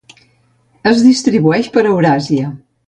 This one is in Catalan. Es distribueix per Euràsia.